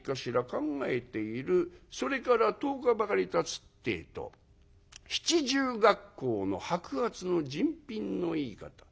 考えているそれから１０日ばかりたつってえと七十恰好の白髪の人品のいい方。